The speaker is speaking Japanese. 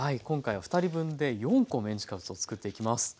今回は２人分で４個メンチカツを作っていきます。